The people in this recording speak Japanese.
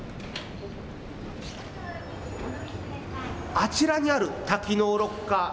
あちらにある多機能ロッカー。